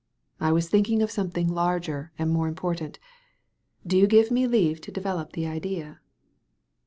I was thinking of something larger and more im portant. Do you* give me leave to develop the idea?"